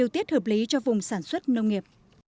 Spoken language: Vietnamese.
tiết hợp lý cho vùng sản xuất nông nghiệp